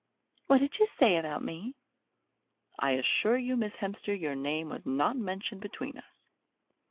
"What did she say about me?" "I assure you, Miss Hemster, your name was not mentioned between us."